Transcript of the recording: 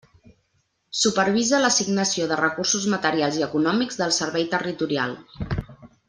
Supervisa l'assignació de recursos materials i econòmics del Servei Territorial.